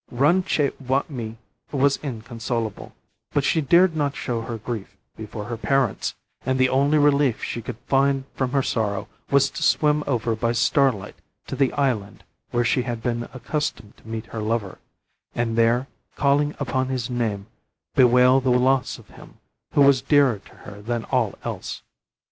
Ran che wai me was inconsolable, but she dared not show her grief before her parents, and the only relief she could find from her sorrow was to swim over by starlight to the island where she had been accustomed to meet her lover, and there, calling upon his name, bewail the loss of him who was dearer to her than all else.